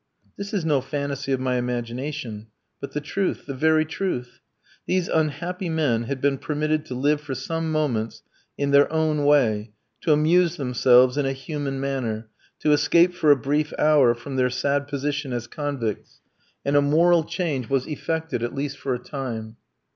This is no fantasy of my imagination, but the truth, the very truth. These unhappy men had been permitted to live for some moments in their own way, to amuse themselves in a human manner, to escape for a brief hour from their sad position as convicts; and a moral change was effected, at least for a time.